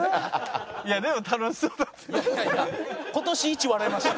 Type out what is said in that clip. いやでも楽しそうだった。